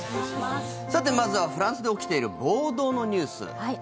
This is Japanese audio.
さて、まずはフランスで起きている暴動のニュース。